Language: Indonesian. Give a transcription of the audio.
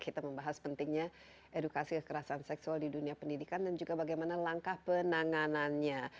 kita membahas pentingnya edukasi kekerasan seksual di dunia pendidikan dan juga bagaimana langkah penanganannya